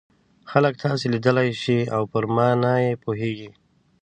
خلک تاسو لیدلای شي او پر مانا یې پوهیږي.